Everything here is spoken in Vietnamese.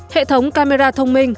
hệ thống camera thông minh